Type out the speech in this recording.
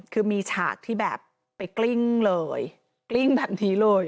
คือมีฉากที่แบบไปกลิ้งเลยกลิ้งแบบนี้เลย